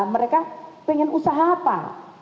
mereka ingin usaha apa